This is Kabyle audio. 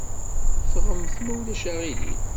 Ffɣemt, ma ulac aɣilif.